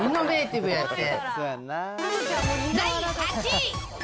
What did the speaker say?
第８位。